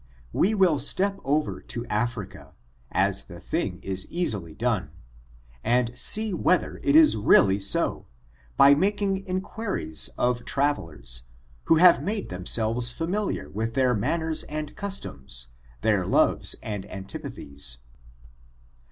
We will step over to Africa, as the thing is easily done, and see whether it is really so, by making inquiries of trav* elers, who have made themselves familiar with their manners and customs, their loves and antipathies.